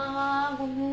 ごめん。